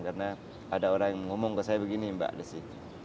karena ada orang yang ngomong ke saya begini mbak desi